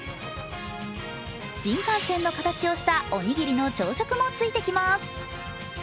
新幹線の形をしたおにぎりの朝食もついてきます。